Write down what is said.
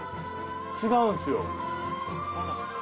違うんすよ。